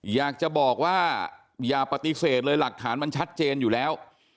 อยากจะบอกว่าอย่าปฏิเสธเลยหลักฐานมันชัดเจนอยู่แล้ว